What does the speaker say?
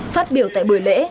phát biểu tại buổi lễ